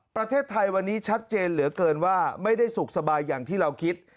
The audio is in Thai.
ประเทศไทยวันนี้ชัดเจนเหลือเกินว่าไม่ได้สุขสบายอย่างที่เราคิด